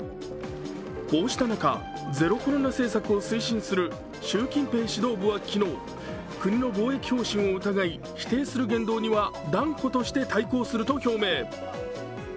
こうした中、ゼロコロナ政策を推進する習近平指導部は昨日、国の防疫方針を疑い否定する言動には断固として対抗すると表明。